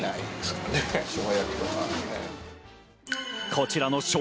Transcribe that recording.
こちらの笑